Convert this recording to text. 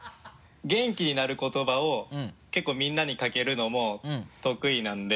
元気になる言葉を結構みんなにかけるのも得意なんで。